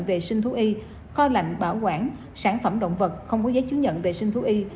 vệ sinh thú y kho lạnh bảo quản sản phẩm động vật không có giấy chứng nhận vệ sinh thú y